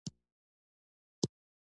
علم د ټولنې ظرفیتونه لوړوي.